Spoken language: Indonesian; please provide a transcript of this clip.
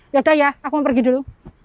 yaudah ya aku mau pergi dulu